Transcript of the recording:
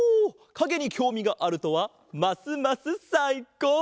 かげにきょうみがあるとはますますさいこう！